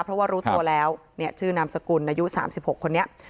เพราะว่ารู้ตัวแล้วเนี่ยชื่อนามสกุลอายุ๓๖คนนี้